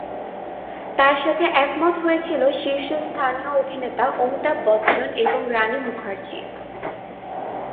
তাঁর সাথে একমত হয়েছিলেন শীর্ষস্থানীয় অভিনেতা অমিতাভ বচ্চন এবং রানি মুখার্জি।